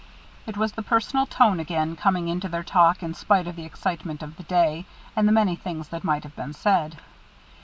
It was the personal tone again, coming into their talk in spite of the excitement of the day and the many things that might have been said.